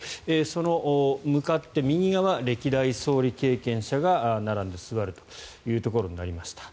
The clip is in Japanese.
その向かって右側歴代総理経験者が並んで座るということになりました。